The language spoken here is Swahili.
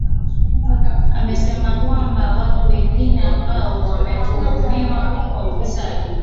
Amesema kwamba watu wengi ambao wametuhumiwa kwa ufisadi